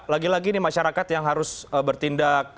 lagi lagi ini masyarakat yang harus bertindak